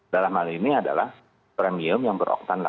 dalam hal ini adalah premium yang ber octan delapan puluh delapan